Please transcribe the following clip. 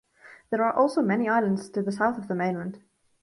There are also many islands to the south of the mainland.